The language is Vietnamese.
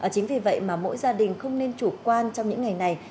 chính vì vậy mà mỗi gia đình không nên chủ quan trong những ngày này